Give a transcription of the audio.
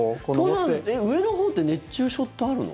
登山、上のほうって熱中症ってあるの？